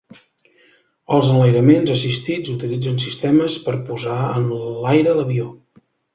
Els enlairaments assistits utilitzen sistemes per posar en l'aire l'avió.